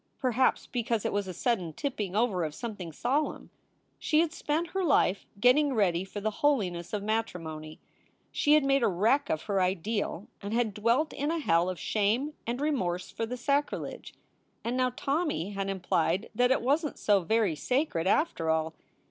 Perhaps because it was a sudden tipping over of something solemn. She had spent her life getting ready for the holiness of matrimony. She had made a wreck of her ideal and had dwelt in a hell of shame and remorse for the sacrilege. And now Tommy had implied that it wasn t so very sacred, after all.